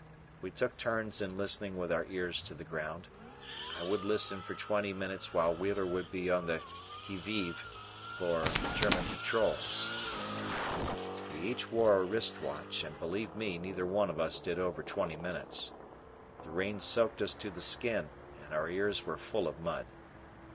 We took turns in listening with our ears to the ground. I would listen for twenty minutes while Wheeler would be on the QUI VIVE for German patrols. We each wore a wrist watch, and believe me, neither one of us did over twenty minutes. The rain soaked us to the skin and her ears were full of mud.